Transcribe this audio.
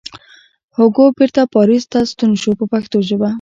هوګو بېرته پاریس ته ستون شو په پښتو ژبه.